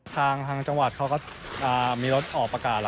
ใช่ใช่ก็ต้องยก